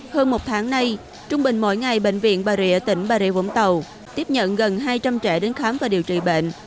hơn một tháng nay trung bình mỗi ngày bệnh viện bà rịa tỉnh bà rịa vũng tàu tiếp nhận gần hai trăm linh trẻ đến khám và điều trị bệnh